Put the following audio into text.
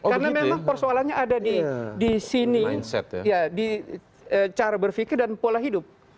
karena memang persoalannya ada di sini di cara berpikir dan pola hidup